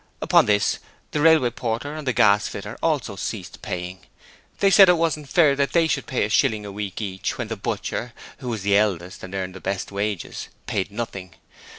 Upon this the railway porter and the gas fitter also ceased paying. They said it wasn't fair that they should pay a shilling a week each when the butcher who was the eldest and earned the best wages paid nothing.